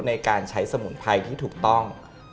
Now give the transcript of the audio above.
ในการใช้สมุนไพรที่ถูกต้อง